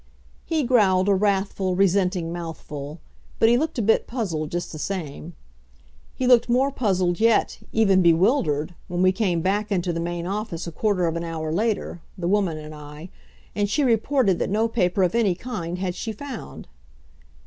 He growled a wrathful, resenting mouthful. But he looked a bit puzzled just the same. He looked more puzzled yet, even bewildered, when we came back into the main office a quarter of an hour later, the woman and I, and she reported that no paper of any kind had she found.